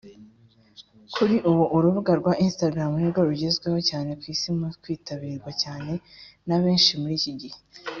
Kuri ubu urubuga rwa Instagram nibwo rugezweho cyane ku isi mu kwitabirwa cyane na benshi muri iki gihe